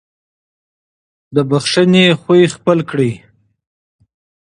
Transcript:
د بښنې خصلت خپل کړئ.